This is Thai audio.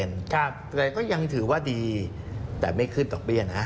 แต่ก็ยังถือว่าดีแต่ไม่ขึ้นดอกเบี้ยนะ